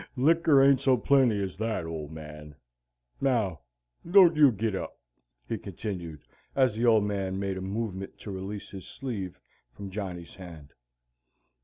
"Liquor ain't so plenty as that, Old Man. Now don't you git up," he continued, as the Old Man made a movement to release his sleeve from Johnny's hand.